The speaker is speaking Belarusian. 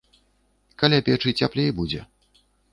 Каля печы цяплей будзе.